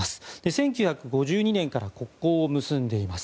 １９５２年から国交を結んでいます。